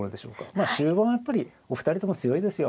まあ終盤はやっぱりお二人とも強いですよ。